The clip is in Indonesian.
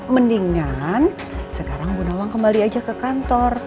mendingan sekarang bu nawang kembali aja ke kantor